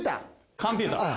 カンピューター？